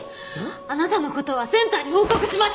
あなたの事はセンターに報告します！